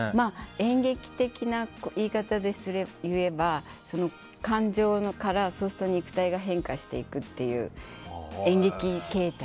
演劇的な言い方で言えば感情から肉体が変化していくっていう演劇形態。